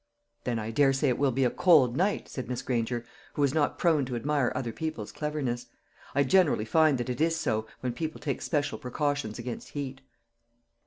"Then I daresay it will be a cold night," said Miss Granger, who was not prone to admire other people's cleverness. "I generally find that it is so, when people take special precautions against heat."